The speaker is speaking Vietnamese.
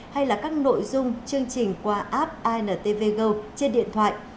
hay là các nội dung chương trình qua app intv go trên điện thoại